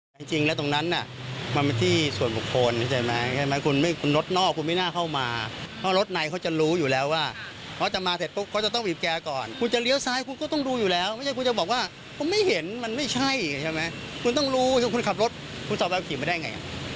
ไม่ใช่ใช่ไหมคุณต้องรู้คุณขับรถคุณสอบรถขี่มาได้ไงถูกไหมฮะ